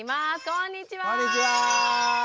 こんにちは。